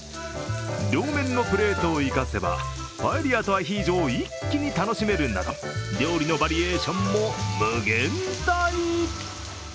両面のプレートを生かせばパエリアとアヒージョを一気に楽しめるなど料理のバリエーションも無限大。